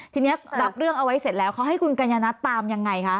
ทีนี้รับเรื่องเอาไว้เสร็จแล้วเขาให้คุณกัญญานัทตามยังไงคะ